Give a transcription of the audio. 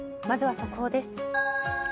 まずは速報です。